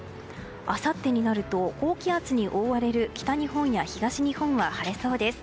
あさってになると高気圧に覆われる北日本や東日本は晴れそうです。